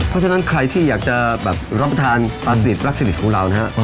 เพราะฉะนั้นใครที่อยากจะแบบรับประทานปลาสลิดรักสนิทของเรานะครับ